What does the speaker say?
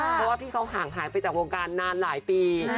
เพราะว่าพี่เขาห่างหายไปจากวงการนานหลายปี